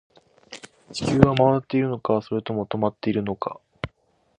地球は回っているのか、それとも止まっているのか